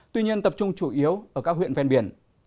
tuy nhiên tập trung chủ yếu ở các huyện ven biển